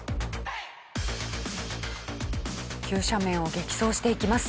急斜面を激走していきます。